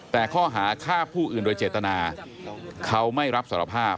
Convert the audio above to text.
แต่ข้อหาฆ่าผู้อื่นโดยเจตนาเขาไม่รับสารภาพ